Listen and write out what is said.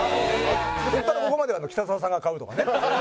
ここからここまでは北澤さんが買うとかね。